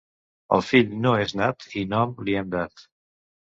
El fill no és nat i nom li hem dat.